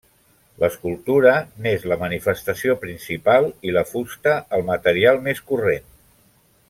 L'escultura n'és la manifestació principal i la fusta el material més corrent.